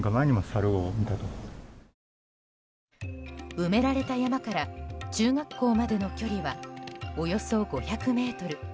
埋められた山から中学校までの距離は、およそ５００ｍ。